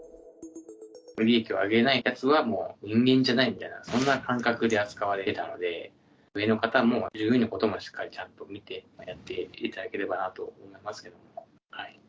利益を上げないやつは、人間じゃないみたいな、そんな感覚で扱われていたので、上の方も従業員のこともしっかりちゃんと見てやっていただければなと思いますけども。